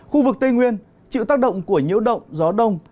khu vực tây nguyên chịu tác động của nhiễu động gió đông